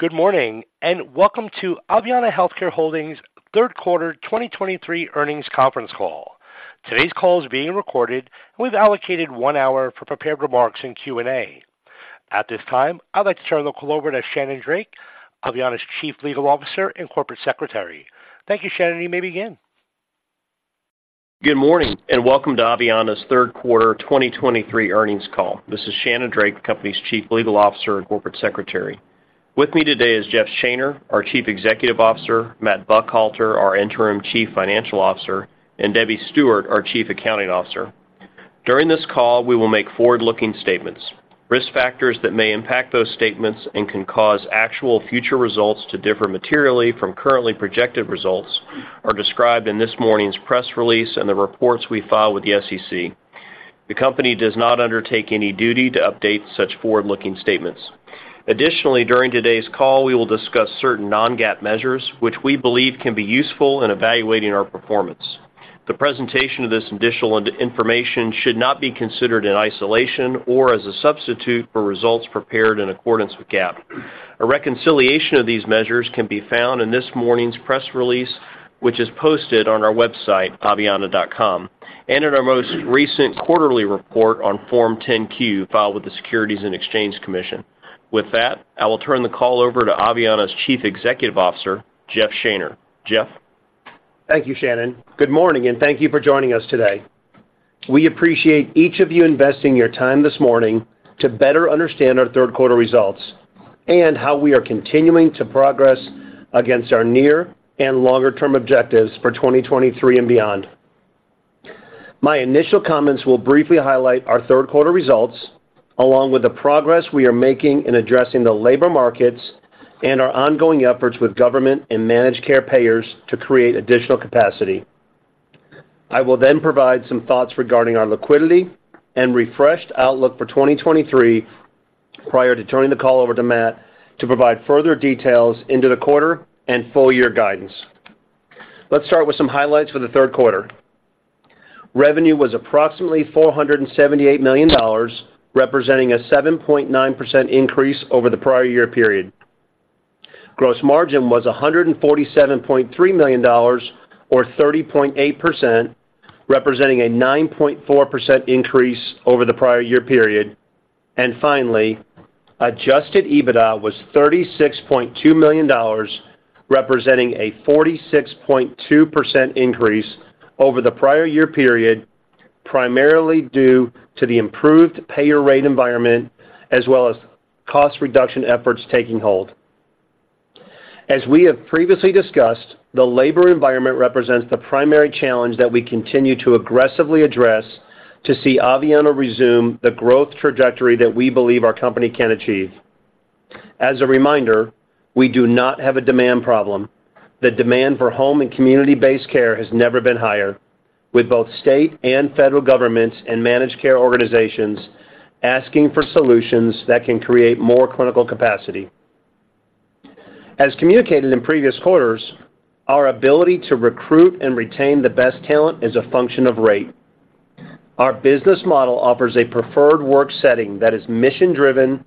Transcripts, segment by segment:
Good morning, and welcome to Aveanna Healthcare Holdings' third quarter 2023 earnings conference call. Today's call is being recorded, and we've allocated one hour for prepared remarks in Q&A. At this time, I'd like to turn the call over to Shannon Drake, Aveanna's Chief Legal Officer and Corporate Secretary. Thank you, Shannon. You may begin. Good morning, and welcome to Aveanna's third quarter 2023 earnings call. This is Shannon Drake, the company's Chief Legal Officer and Corporate Secretary. With me today is Jeff Shaner, our Chief Executive Officer, Matt Buckhalter, our Interim Chief Financial Officer, and Debbie Stewart, our Chief Accounting Officer. During this call, we will make forward-looking statements. Risk factors that may impact those statements and can cause actual future results to differ materially from currently projected results are described in this morning's press release and the reports we file with the SEC. The company does not undertake any duty to update such forward-looking statements. Additionally, during today's call, we will discuss certain non-GAAP measures, which we believe can be useful in evaluating our performance. The presentation of this additional information should not be considered in isolation or as a substitute for results prepared in accordance with GAAP. A reconciliation of these measures can be found in this morning's press release, which is posted on our website, aveanna.com, and in our most recent quarterly report on Form 10-Q, filed with the Securities and Exchange Commission. With that, I will turn the call over to Aveanna's Chief Executive Officer, Jeff Shaner. Jeff? Thank you, Shannon. Good morning, and thank you for joining us today. We appreciate each of you investing your time this morning to better understand our third quarter results and how we are continuing to progress against our near and longer-term objectives for 2023 and beyond. My initial comments will briefly highlight our third quarter results, along with the progress we are making in addressing the labor markets and our ongoing efforts with government and managed care payers to create additional capacity. I will then provide some thoughts regarding our liquidity and refreshed outlook for 2023, prior to turning the call over to Matt to provide further details into the quarter and full year guidance. Let's start with some highlights for the third quarter. Revenue was approximately $478 million, representing a 7.9% increase over the prior year period. Gross margin was $147.3 million, or 30.8%, representing a 9.4% increase over the prior year period. And finally, Adjusted EBITDA was $36.2 million, representing a 46.2% increase over the prior year period, primarily due to the improved payer rate environment, as well as cost reduction efforts taking hold. As we have previously discussed, the labor environment represents the primary challenge that we continue to aggressively address to see Aveanna resume the growth trajectory that we believe our company can achieve. As a reminder, we do not have a demand problem. The demand for home and community-based care has never been higher, with both state and federal governments and managed care organizations asking for solutions that can create more clinical capacity. As communicated in previous quarters, our ability to recruit and retain the best talent is a function of rate. Our business model offers a preferred work setting that is mission-driven,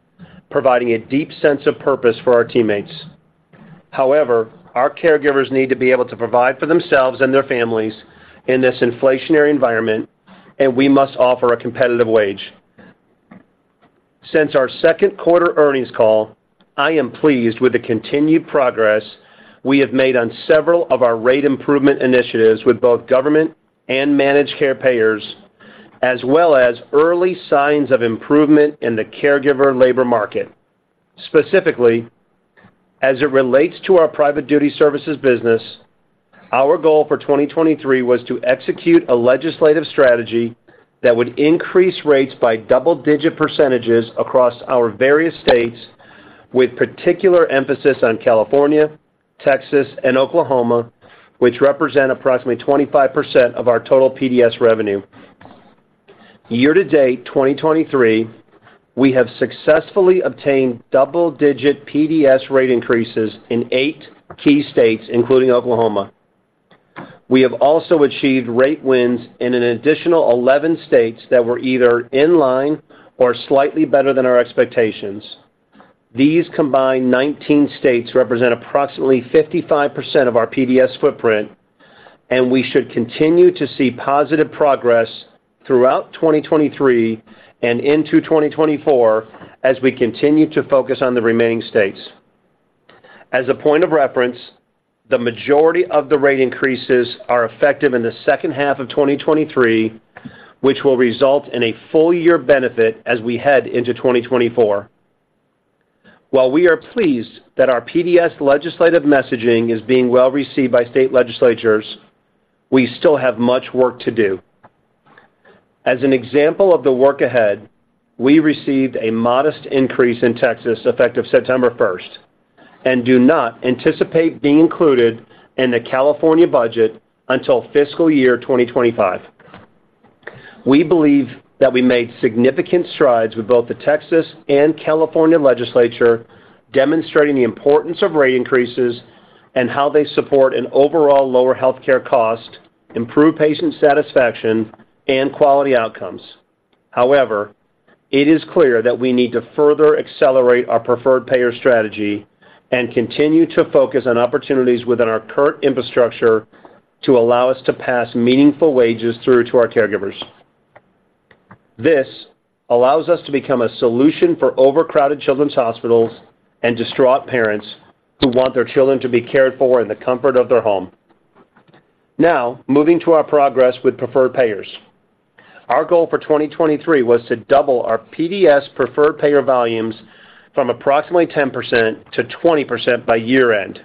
providing a deep sense of purpose for our teammates. However, our caregivers need to be able to provide for themselves and their families in this inflationary environment, and we must offer a competitive wage. Since our second quarter earnings call, I am pleased with the continued progress we have made on several of our rate improvement initiatives with both government and managed care payers, as well as early signs of improvement in the caregiver labor market. Specifically, as it relates to our private duty services business, our goal for 2023 was to execute a legislative strategy that would increase rates by double-digit percentages across our various states, with particular emphasis on California, Texas, and Oklahoma, which represent approximately 25% of our total PDS revenue. Year to date, 2023, we have successfully obtained double-digit PDS rate increases in eight key states, including Oklahoma. We have also achieved rate wins in an additional 11 states that were either in line or slightly better than our expectations. These combined 19 states represent approximately 55% of our PDS footprint, and we should continue to see positive progress throughout 2023 and into 2024 as we continue to focus on the remaining states. As a point of reference, the majority of the rate increases are effective in the second half of 2023, which will result in a full year benefit as we head into 2024. While we are pleased that our PDS legislative messaging is being well received by state legislatures, we still have much work to do. As an example of the work ahead, we received a modest increase in Texas, effective September 1st, and do not anticipate being included in the California budget until fiscal year 2025. We believe that we made significant strides with both the Texas and California legislature, demonstrating the importance of rate increases and how they support an overall lower healthcare cost, improve patient satisfaction, and quality outcomes.... However, it is clear that we need to further accelerate our preferred payer strategy and continue to focus on opportunities within our current infrastructure to allow us to pass meaningful wages through to our caregivers. This allows us to become a solution for overcrowded children's hospitals and distraught parents who want their children to be cared for in the comfort of their home. Now, moving to our progress with preferred payers. Our goal for 2023 was to double our PDS preferred payer volumes from approximately 10% to 20% by year-end.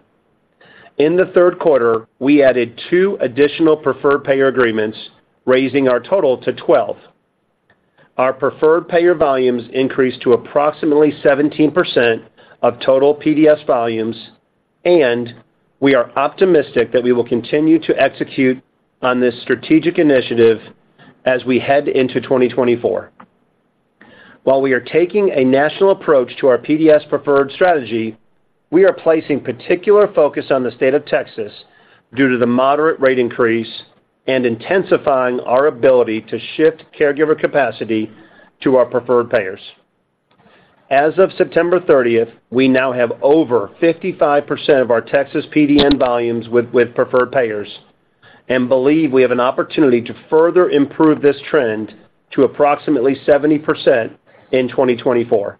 In the third quarter, we added two additional preferred payer agreements, raising our total to 12. Our preferred payer volumes increased to approximately 17% of total PDS volumes, and we are optimistic that we will continue to execute on this strategic initiative as we head into 2024. While we are taking a national approach to our PDS preferred strategy, we are placing particular focus on the state of Texas due to the moderate rate increase and intensifying our ability to shift caregiver capacity to our preferred payers. As of September thirtieth, we now have over 55% of our Texas PDN volumes with preferred payers, and believe we have an opportunity to further improve this trend to approximately 70% in 2024.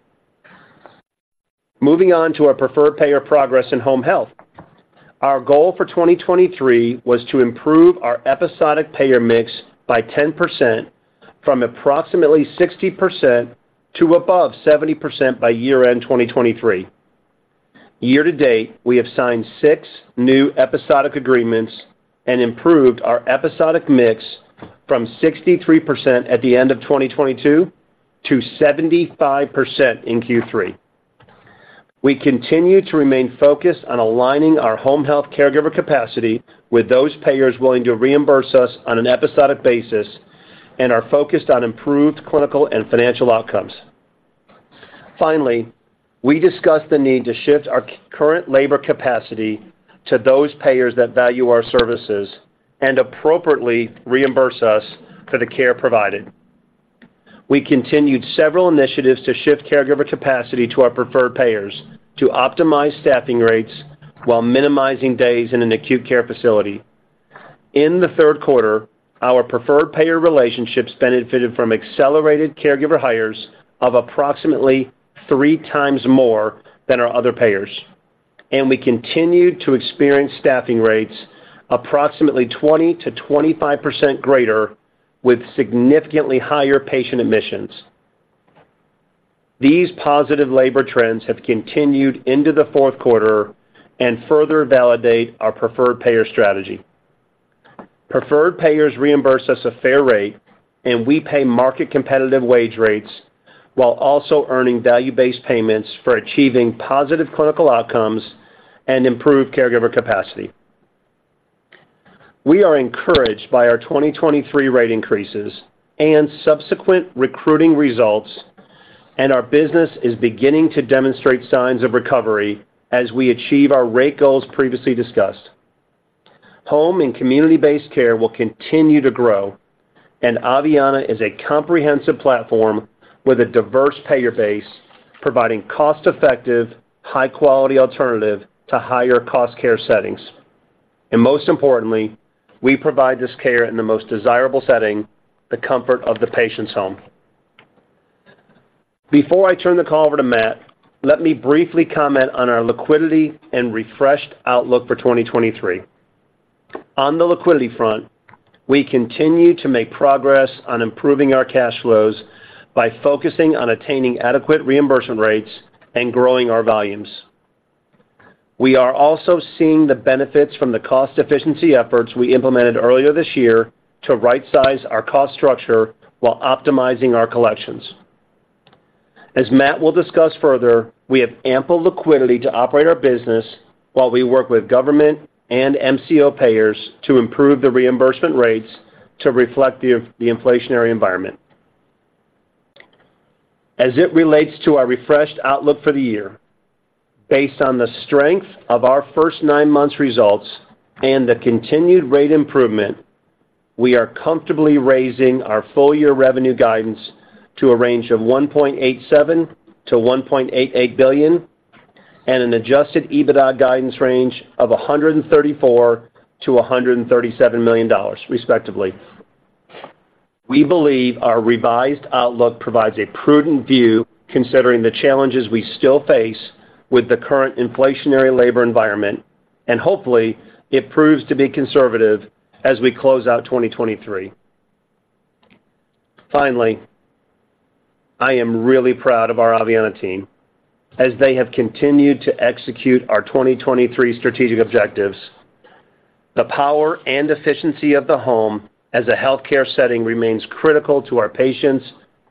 Moving on to our preferred payer progress in home health. Our goal for 2023 was to improve our episodic payer mix by 10% from approximately 60% to above 70% by year-end, 2023. Year to date, we have signed six new episodic agreements and improved our episodic mix from 63% at the end of 2022 to 75% in Q3. We continue to remain focused on aligning our home health caregiver capacity with those payers willing to reimburse us on an episodic basis, and are focused on improved clinical and financial outcomes. Finally, we discussed the need to shift our current labor capacity to those payers that value our services and appropriately reimburse us for the care provided. We continued several initiatives to shift caregiver capacity to our preferred payers to optimize staffing rates while minimizing days in an acute care facility. In the third quarter, our preferred payer relationships benefited from accelerated caregiver hires of approximately three times more than our other payers, and we continued to experience staffing rates approximately 20%-25% greater, with significantly higher patient admissions. These positive labor trends have continued into the fourth quarter and further validate our preferred payer strategy. Preferred payers reimburse us a fair rate, and we pay market competitive wage rates while also earning value-based payments for achieving positive clinical outcomes and improved caregiver capacity. We are encouraged by our 2023 rate increases and subsequent recruiting results, and our business is beginning to demonstrate signs of recovery as we achieve our rate goals previously discussed. Home and community-based care will continue to grow, and Aveanna is a comprehensive platform with a diverse payer base, providing cost-effective, high-quality alternative to higher cost care settings. And most importantly, we provide this care in the most desirable setting, the comfort of the patient's home. Before I turn the call over to Matt, let me briefly comment on our liquidity and refreshed outlook for 2023. On the liquidity front, we continue to make progress on improving our cash flows by focusing on attaining adequate reimbursement rates and growing our volumes. We are also seeing the benefits from the cost efficiency efforts we implemented earlier this year to rightsize our cost structure while optimizing our collections. As Matt will discuss further, we have ample liquidity to operate our business while we work with government and MCO payers to improve the reimbursement rates to reflect the inflationary environment. As it relates to our refreshed outlook for the year, based on the strength of our first nine months results and the continued rate improvement, we are comfortably raising our full year revenue guidance to a range of $1.87 billion-$1.88 billion, and an Adjusted EBITDA guidance range of $134 million-$137 million, respectively. We believe our revised outlook provides a prudent view, considering the challenges we still face with the current inflationary labor environment, and hopefully it proves to be conservative as we close out 2023. Finally, I am really proud of our Aveanna team as they have continued to execute our 2023 strategic objectives. The power and efficiency of the home as a healthcare setting remains critical to our patients,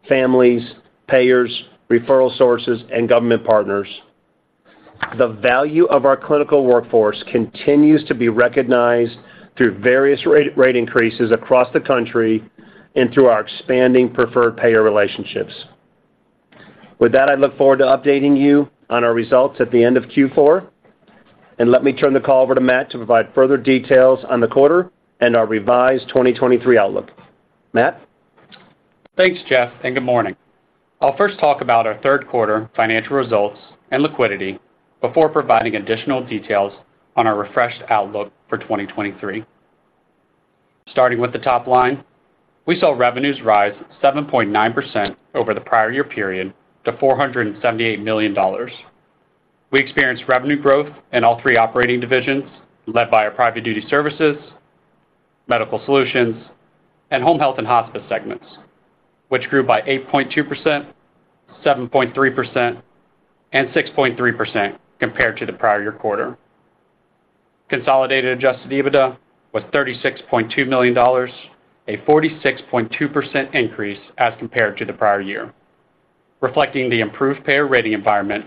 families, payers, referral sources, and government partners. The value of our clinical workforce continues to be recognized through various rate, rate increases across the country and through our expanding preferred payer relationships. With that, I look forward to updating you on our results at the end of Q4. And let me turn the call over to Matt to provide further details on the quarter and our revised 2023 outlook. Matt? Thanks, Jeff, and good morning. I'll first talk about our third quarter financial results and liquidity before providing additional details on our refreshed outlook for 2023. Starting with the top line, we saw revenues rise 7.9% over the prior year period to $478 million. We experienced revenue growth in all three operating divisions, led by our Private Duty Services, Medical Solutions, and Home Health and Hospice segments, which grew by 8.2%, 7.3%, and 6.3% compared to the prior year quarter. Consolidated Adjusted EBITDA was $36.2 million, a 46.2% increase as compared to the prior year, reflecting the improved payer rating environment,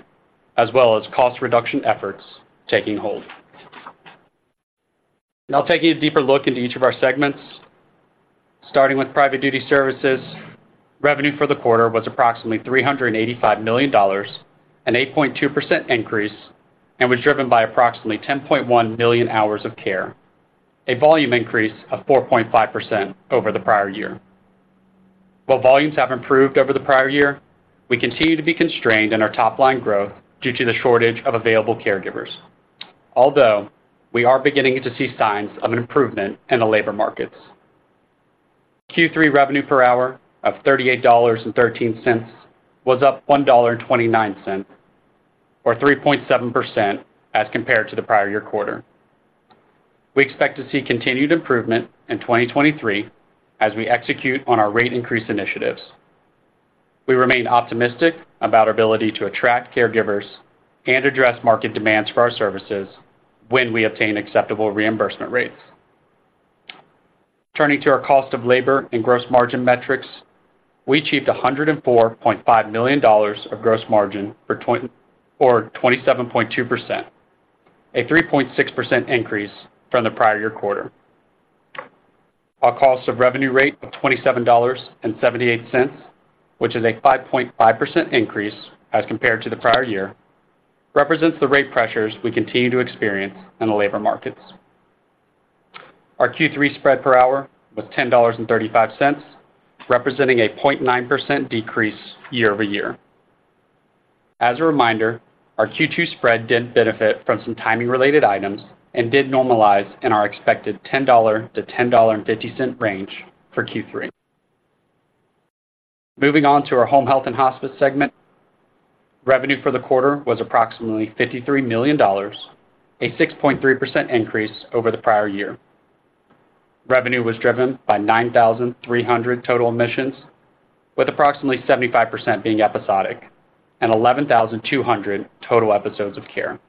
as well as cost reduction efforts taking hold. Now taking a deeper look into each of our segments. Starting with private duty services, revenue for the quarter was approximately $385 million, an 8.2% increase, and was driven by approximately 10.1 million hours of care, a volume increase of 4.5% over the prior year. While volumes have improved over the prior year, we continue to be constrained in our top line growth due to the shortage of available caregivers, although we are beginning to see signs of an improvement in the labor markets. Q3 revenue per hour of $38.13 was up $1.29, or 3.7%, as compared to the prior year quarter. We expect to see continued improvement in 2023 as we execute on our rate increase initiatives. We remain optimistic about our ability to attract caregivers and address market demands for our services when we obtain acceptable reimbursement rates. Turning to our cost of labor and gross margin metrics, we achieved $104.5 million of gross margin for or 27.2%, a 3.6% increase from the prior year quarter. Our cost of revenue rate of $27.78, which is a 5.5% increase as compared to the prior year, represents the rate pressures we continue to experience in the labor markets. Our Q3 spread per hour was $10.35, representing a 0.9% decrease year-over-year. As a reminder, our Q2 spread did benefit from some timing related items and did normalize in our expected $10-$10.50 range for Q3. Moving on to our Home Health and Hospice segment, revenue for the quarter was approximately $53 million, a 6.3% increase over the prior year. Revenue was driven by 9,300 total admissions, with approximately 75% being episodic and 11,200 total episodes of care.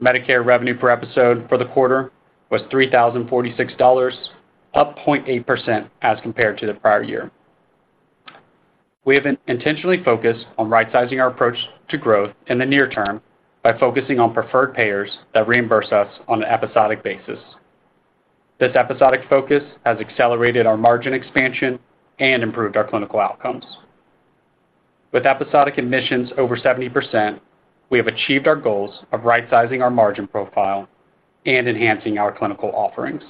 Medicare revenue per episode for the quarter was $3,046, up 0.8% as compared to the prior year. We have intentionally focused on right sizing our approach to growth in the near term by focusing on preferred payers that reimburse us on an episodic basis. This episodic focus has accelerated our margin expansion and improved our clinical outcomes. With episodic admissions over 70%, we have achieved our goals of right sizing our margin profile and enhancing our clinical offerings.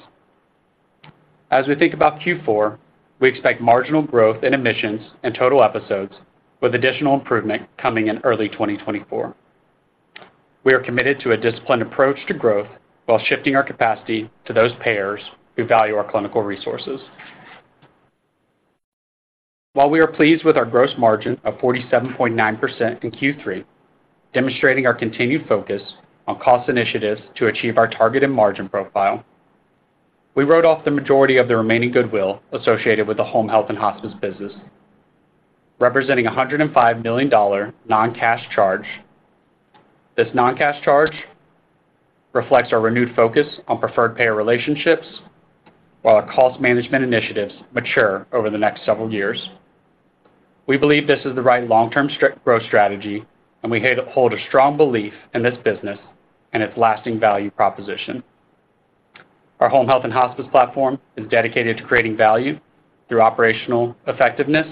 As we think about Q4, we expect marginal growth in admissions and total episodes, with additional improvement coming in early 2024. We are committed to a disciplined approach to growth while shifting our capacity to those payers who value our clinical resources. While we are pleased with our gross margin of 47.9% in Q3, demonstrating our continued focus on cost initiatives to achieve our targeted margin profile, we wrote off the majority of the remaining goodwill associated with the home health and hospice business, representing a $105 million non-cash charge. This non-cash charge reflects our renewed focus on preferred payer relationships, while our cost management initiatives mature over the next several years. We believe this is the right long-term growth strategy, and we hold a strong belief in this business and its lasting value proposition. Our home health and hospice platform is dedicated to creating value through operational effectiveness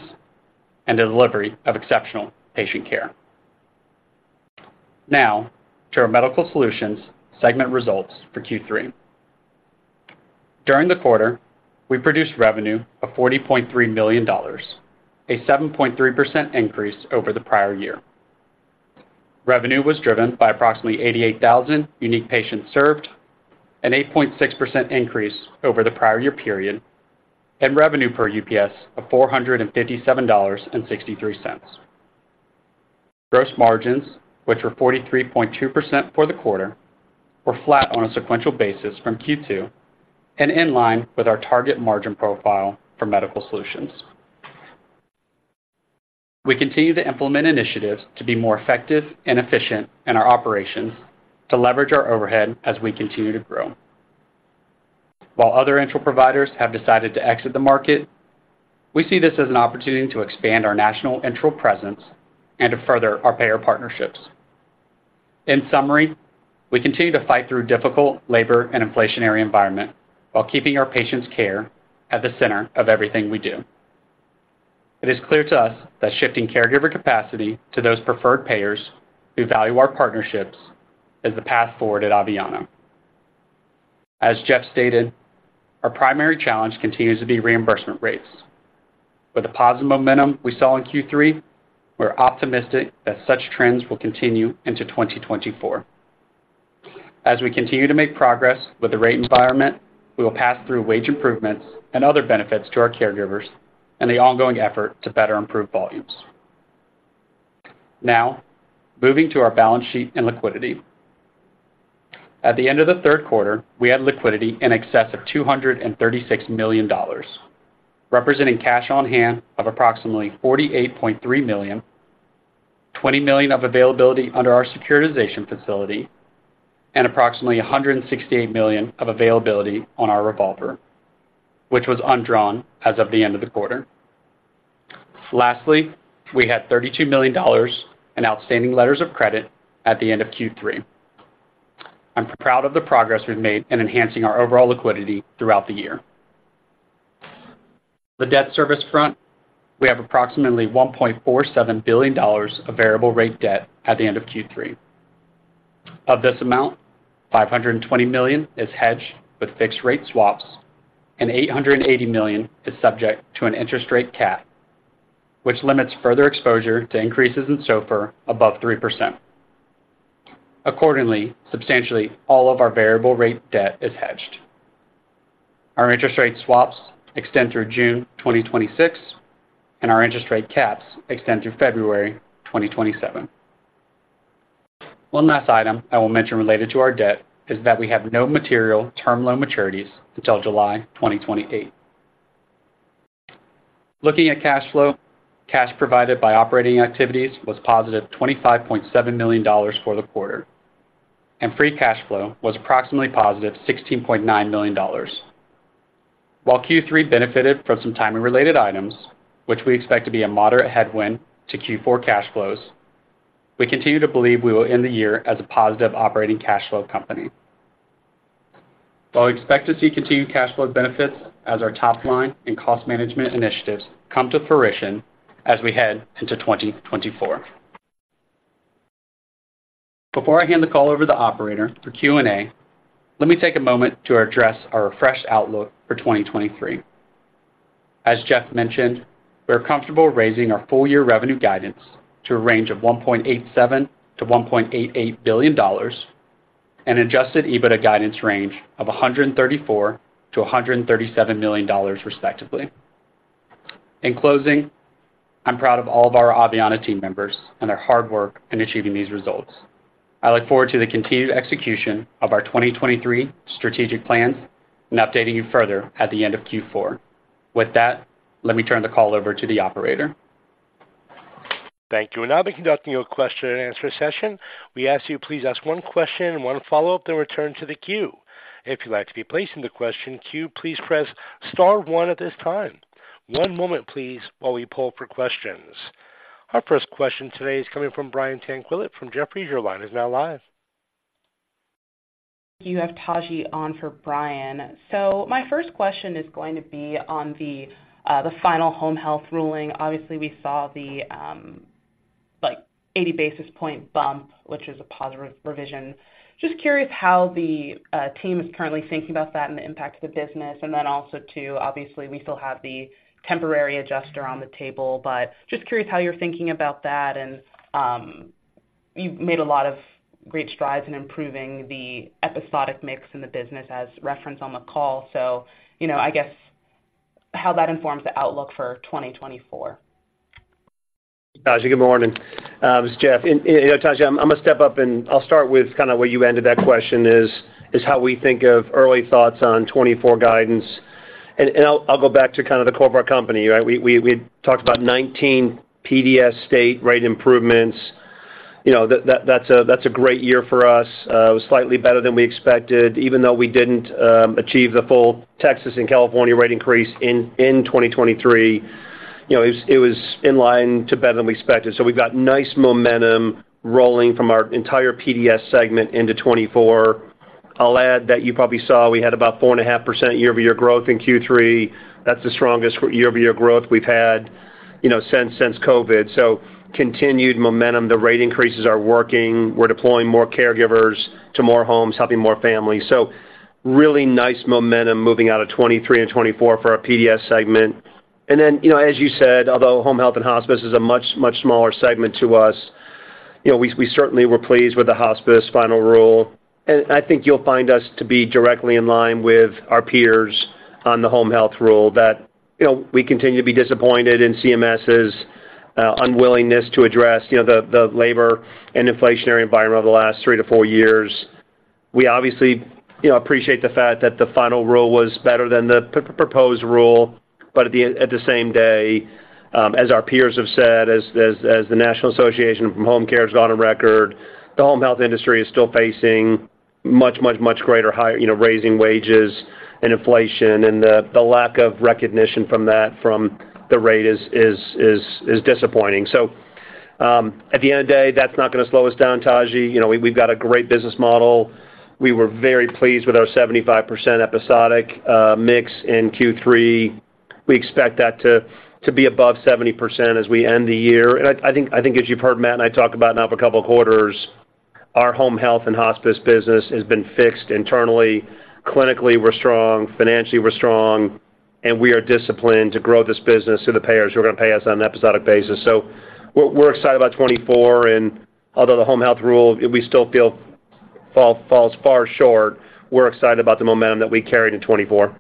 and the delivery of exceptional patient care. Now to our medical solutions segment results for Q3. During the quarter, we produced revenue of $40.3 million, a 7.3% increase over the prior year. Revenue was driven by approximately 88,000 unique patients served, an 8.6% increase over the prior year period, and revenue per UPS of $457.63. Gross margins, which were 43.2% for the quarter, were flat on a sequential basis from Q2 and in line with our target margin profile for medical solutions. We continue to implement initiatives to be more effective and efficient in our operations, to leverage our overhead as we continue to grow. While other enteral providers have decided to exit the market, we see this as an opportunity to expand our national enteral presence and to further our payer partnerships. In summary, we continue to fight through difficult labor and inflationary environment, while keeping our patients' care at the center of everything we do. It is clear to us that shifting caregiver capacity to those preferred payers who value our partnerships is the path forward at Aveanna. As Jeff stated, our primary challenge continues to be reimbursement rates. With the positive momentum we saw in Q3, we're optimistic that such trends will continue into 2024. As we continue to make progress with the rate environment, we will pass through wage improvements and other benefits to our caregivers, and the ongoing effort to better improve volumes. Now, moving to our balance sheet and liquidity. At the end of the third quarter, we had liquidity in excess of $236 million, representing cash on hand of approximately $48.3 million, $20 million of availability under our securitization facility, and approximately $168 million of availability on our revolver, which was undrawn as of the end of the quarter. Lastly, we had $32 million in outstanding letters of credit at the end of Q3. I'm proud of the progress we've made in enhancing our overall liquidity throughout the year. The debt service front, we have approximately $1.47 billion of variable rate debt at the end of Q3. Of this amount, $520 million is hedged with fixed rate swaps, and $880 million is subject to an interest rate cap, which limits further exposure to increases in SOFR above 3%. Accordingly, substantially, all of our variable rate debt is hedged. Our interest rate swaps extend through June 2026, and our interest rate caps extend through February 2027. One last item I will mention related to our debt is that we have no material term loan maturities until July 2028. Looking at cash flow, cash provided by operating activities was positive $25.7 million for the quarter, and free cash flow was approximately positive $16.9 million. While Q3 benefited from some timing related items, which we expect to be a moderate headwind to Q4 cash flows, we continue to believe we will end the year as a positive operating cash flow company. While we expect to see continued cash flow benefits as our top line and cost management initiatives come to fruition as we head into 2024. Before I hand the call over to the operator for Q&A, let me take a moment to address our fresh outlook for 2023. As Jeff mentioned, we're comfortable raising our full year revenue guidance to a range of $1.87 billion-$1.88 billion, and Adjusted EBITDA guidance range of $134 million-$137 million, respectively. In closing, I'm proud of all of our Aveanna team members and their hard work in achieving these results. I look forward to the continued execution of our 2023 strategic plans and updating you further at the end of Q4. With that, let me turn the call over to the operator. Thank you. We'll now be conducting your question and answer session. We ask you, please ask one question and one follow-up, then return to the queue. If you'd like to be placed in the question queue, please press star one at this time. One moment, please, while we pull for questions. Our first question today is coming from Brian Tanquilut from Jefferies. Your line is now live. You have Taji on for Brian. So my first question is going to be on the final home health ruling. Obviously, we saw the like, 80 basis point bump, which is a positive revision. Just curious how the team is currently thinking about that and the impact of the business. And then also, too, obviously, we still have the temporary adjuster on the table, but just curious how you're thinking about that, and you've made a lot of great strides in improving the episodic mix in the business as referenced on the call. So, you know, I guess, how that informs the outlook for 2024. Taji, good morning. This is Jeff. Taji, I'm gonna step up, and I'll start with kinda where you ended that question, is how we think of early thoughts on 2024 guidance. I'll go back to kind of the core of our company, right? We talked about 19 PDS state rate improvements. You know, that's a great year for us. It was slightly better than we expected, even though we didn't achieve the full Texas and California rate increase in 2023. You know, it was in line to better than we expected. So we've got nice momentum rolling from our entire PDS segment into 2024. I'll add that you probably saw we had about 4.5% year-over-year growth in Q3. That's the strongest year-over-year growth we've had, you know, since, since COVID. So continued momentum. The rate increases are working. We're deploying more caregivers to more homes, helping more families. So really nice momentum moving out of 2023 and 2024 for our PDS segment. And then, you know, as you said, although home health and hospice is a much, much smaller segment to us, you know, we certainly were pleased with the hospice final rule. And I think you'll find us to be directly in line with our peers on the home health rule that, you know, we continue to be disappointed in CMS's unwillingness to address, you know, the labor and inflationary environment over the last 3 years-4 years. We obviously, you know, appreciate the fact that the final rule was better than the proposed rule, but at the same day, as our peers have said, as the National Association for Home Care has gone on record, the home health industry is still facing much greater higher, you know, raising wages and inflation, and the lack of recognition from that, from the rate is disappointing. So, at the end of the day, that's not going to slow us down, Taji. You know, we've got a great business model. We were very pleased with our 75% episodic mix in Q3. We expect that to be above 70% as we end the year. I, I think, I think as you've heard Matt and I talk about now for a couple of quarters, our Home Health and Hospice business has been fixed internally. Clinically, we're strong, financially, we're strong, and we are disciplined to grow this business through the payers who are going to pay us on an episodic basis. So we're, we're excited about 2024, and although the home health rule, we still feel falls far short, we're excited about the momentum that we carried in 2024.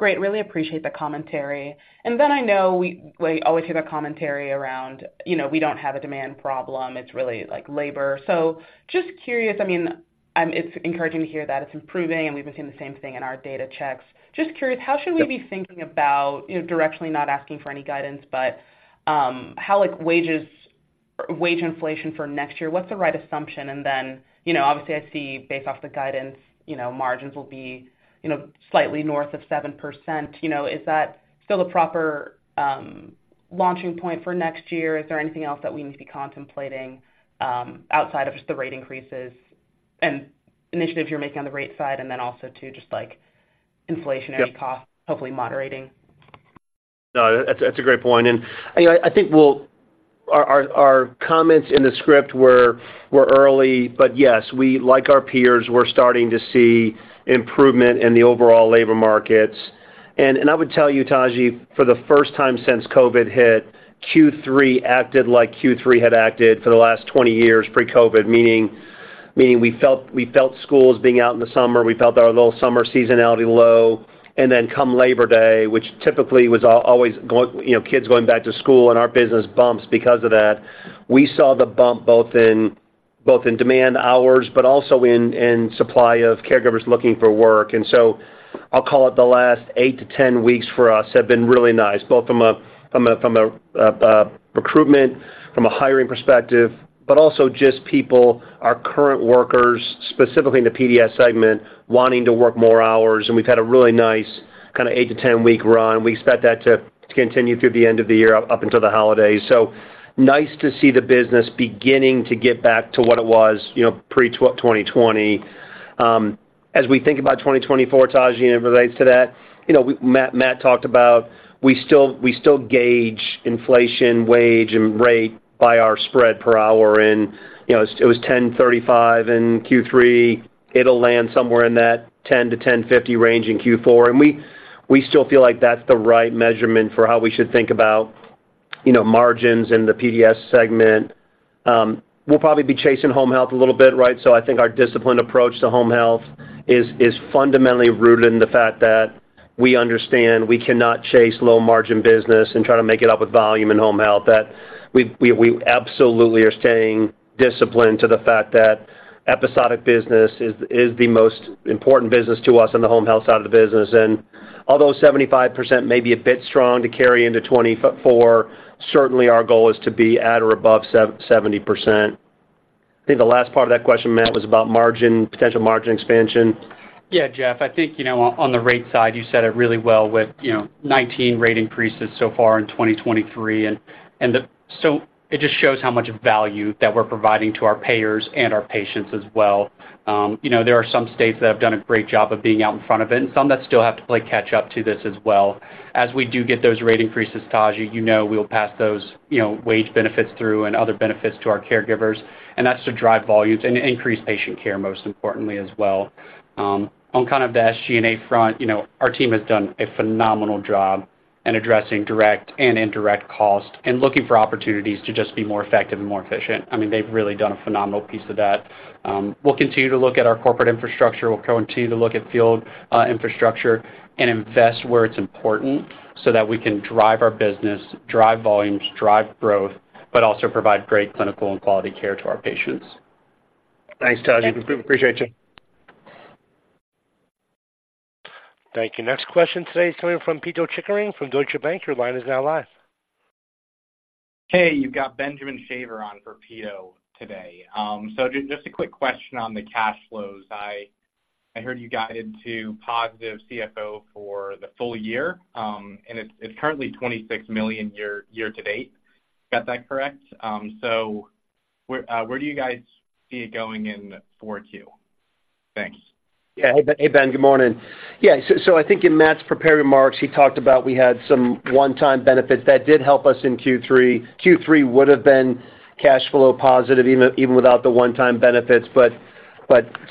Great, really appreciate the commentary. And then I know we always hear the commentary around, you know, we don't have a demand problem, it's really, like, labor. So just curious, I mean, it's encouraging to hear that it's improving, and we've been seeing the same thing in our data checks. Just curious, how should we be thinking about, you know, directionally, not asking for any guidance, but how, like, wages—wage inflation for next year, what's the right assumption? And then, you know, obviously, I see based off the guidance, you know, margins will be, you know, slightly north of 7%, you know. Is that still a proper launching point for next year? Is there anything else that we need to be contemplating, outside of just the rate increases and initiatives you're making on the rate side, and then also too, just, like, inflationary costs? Yep. Hopefully moderating. No, that's a great point. And, you know, I think we'll—our comments in the script were early, but yes, we, like our peers, we're starting to see improvement in the overall labor markets. And, and I would tell you, Taji, for the first time since COVID hit, Q3 acted like Q3 had acted for the last 20 years pre-COVID, meaning we felt schools being out in the summer, we felt our little summer seasonality low, and then come Labor Day, which typically was always, you know, kids going back to school and our business bumps because of that. We saw the bump both in demand hours, but also in supply of caregivers looking for work. And so I'll call it the last 8 weeks-10 weeks for us have been really nice, both from a recruitment, from a hiring perspective, but also just people, our current workers, specifically in the PDS segment, wanting to work more hours. And we've had a really nice kind of 8-10 week run. We expect that to continue through the end of the year, up until the holidays. So nice to see the business beginning to get back to what it was, you know, pre-2020. As we think about 2024, Taji, and it relates to that, you know, we, Matt talked about, we still, we still gauge inflation, wage, and rate by our spread per hour, and, you know, it was $10.35 in Q3. It'll land somewhere in that 10-10.50 range in Q4. And we still feel like that's the right measurement for how we should think about, you know, margins in the PDS segment. We'll probably be chasing home health a little bit, right? So I think our disciplined approach to home health is fundamentally rooted in the fact that we understand we cannot chase low-margin business and try to make it up with volume and home health. That we absolutely are staying disciplined to the fact that episodic business is the most important business to us on the home health side of the business. And although 75% may be a bit strong to carry into 2024, certainly our goal is to be at or above 70%. I think the last part of that question, Matt, was about margin, potential margin expansion. Yeah, Jeff, I think, you know, on the rate side, you said it really well with, you know, 19 rate increases so far in 2023. So it just shows how much value that we're providing to our payers and our patients as well. You know, there are some states that have done a great job of being out in front of it, and some that still have to play catch up to this as well. As we do get those rate increases, Taji, you know, we'll pass those, you know, wage benefits through and other benefits to our caregivers, and that's to drive volumes and increase patient care, most importantly as well. On kind of the SG&A front, you know, our team has done a phenomenal job in addressing direct and indirect costs and looking for opportunities to just be more effective and more efficient. I mean, they've really done a phenomenal piece of that. We'll continue to look at our corporate infrastructure. We'll continue to look at field infrastructure and invest where it's important, so that we can drive our business, drive volumes, drive growth, but also provide great clinical and quality care to our patients. Thanks, Taji. Appreciate you. Thank you. Next question today is coming from Pito Chickering from Deutsche Bank. Your line is now live. Hey, you've got Benjamin Shaver on for Pete today. So just a quick question on the cash flows. I heard you guided to positive CFO for the full year, and it's currently $26 million year to date. Got that correct? So where do you guys see it going in for Q? Thanks. Yeah. Hey, Ben, good morning. Yeah, so I think in Matt's prepared remarks, he talked about we had some one-time benefits that did help us in Q3. Q3 would have been cash flow positive, even without the one-time benefits, but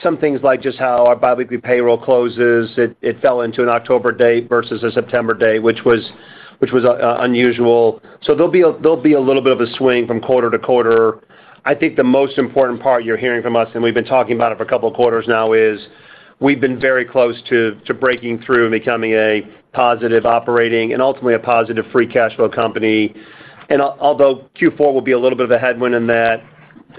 some things like just how our biweekly payroll closes, it fell into an October date versus a September date, which was unusual. So there'll be a little bit of a swing from quarter to quarter. I think the most important part you're hearing from us, and we've been talking about it for a couple of quarters now, is we've been very close to breaking through and becoming a positive operating and ultimately a positive free cash flow company. Although Q4 will be a little bit of a headwind in that,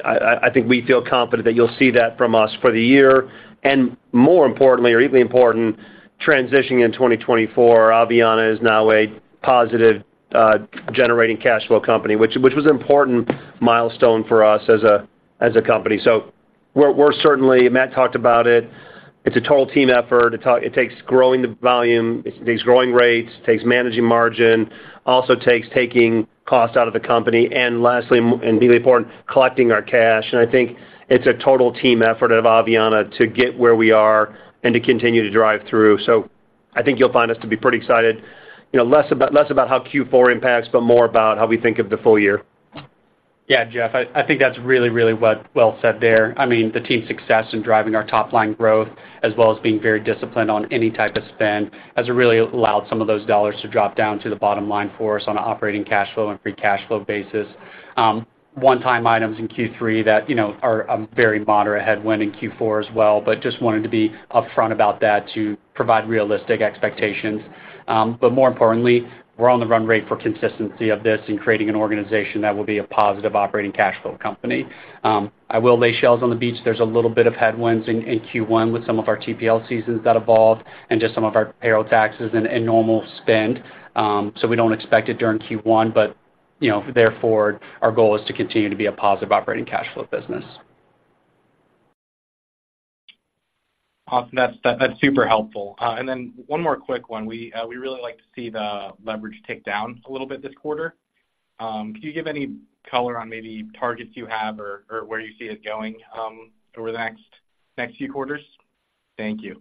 I think we feel confident that you'll see that from us for the year, and more importantly, or equally important, transitioning in 2024, Aveanna is now a positive generating cash flow company, which was an important milestone for us as a company. So we're certainly, Matt talked about it. It's a total team effort. It takes growing the volume, it takes growing rates, takes managing margin, also takes taking costs out of the company, and lastly, and really important, collecting our cash. And I think it's a total team effort at Aveanna to get where we are and to continue to drive through. I think you'll find us to be pretty excited, you know, less about how Q4 impacts, but more about how we think of the full year. Yeah, Jeff, I think that's really, really well said there. I mean, the team's success in driving our top line growth, as well as being very disciplined on any type of spend, has really allowed some of those dollars to drop down to the bottom line for us on an operating cash flow and free cash flow basis. One-time items in Q3 that, you know, are very moderate headwind in Q4 as well, but just wanted to be upfront about that to provide realistic expectations. But more importantly, we're on the run rate for consistency of this and creating an organization that will be a positive operating cash flow company. I will lay shells on the beach. There's a little bit of headwinds in Q1 with some of our TPL seasonality involved and just some of our payroll taxes and normal spend. So we don't expect it during Q1, but you know, therefore, our goal is to continue to be a positive operating cash flow business. Awesome. That's, that, that's super helpful. And then one more quick one. We, we really like to see the leverage tick down a little bit this quarter. Can you give any color on maybe targets you have or, or where you see it going, over the next, next few quarters? Thank you.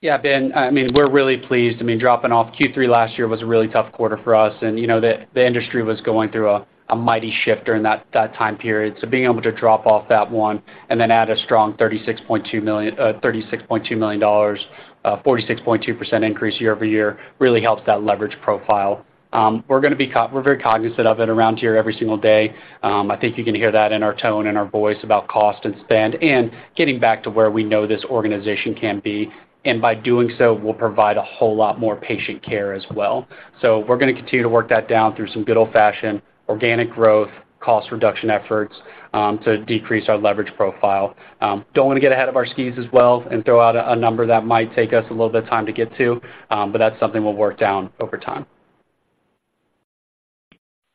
Yeah, Ben, I mean, we're really pleased. I mean, dropping off Q3 last year was a really tough quarter for us, and, you know, the industry was going through a mighty shift during that time period. So being able to drop off that one and then add a strong $36.2 million, $36.2 million dollars, 46.2% increase year-over-year, really helps that leverage profile. We're gonna be cog-- we're very cognizant of it around here every single day. I think you can hear that in our tone and our voice about cost and spend and getting back to where we know this organization can be. And by doing so, we'll provide a whole lot more patient care as well. So we're gonna continue to work that down through some good old-fashioned organic growth, cost reduction efforts, to decrease our leverage profile. Don't wanna get ahead of our skis as well and throw out a number that might take us a little bit of time to get to, but that's something we'll work down over time.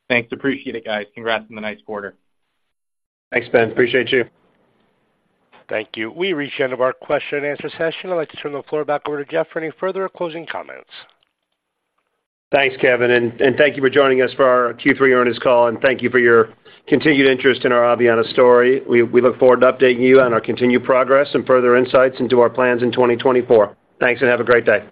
Thanks. Appreciate it, guys. Congrats on the nice quarter. Thanks, Ben. Appreciate you. Thank you. We've reached the end of our question and answer session. I'd like to turn the floor back over to Jeff for any further closing comments. Thanks, Kevin, and thank you for joining us for our Q3 earnings call, and thank you for your continued interest in our Aveanna story. We look forward to updating you on our continued progress and further insights into our plans in 2024. Thanks, and have a great day.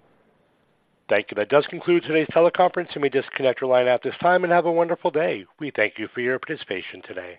Thank you. That does conclude today's teleconference. You may disconnect your line at this time and have a wonderful day. We thank you for your participation today.